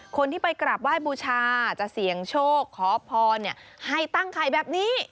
คนที่ไปกราบไหว้บูชาจะเสี่ยงโชคขอพรให้ตั้งไข่แบบนี้